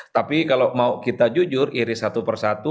tapi kalau mau kita jujur iris satu persatu